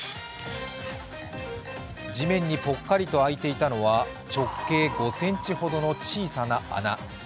地面にぽっかりと開いていたのは直径５ｃｍほどの小さな穴。